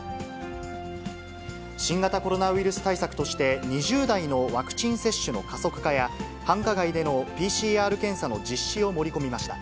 新型コロナウイルス対策として、２０代のワクチン接種の加速化や、繁華街でのＰＣＲ検査の実施を盛り込みました。